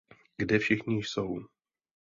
Kde všichni jsou?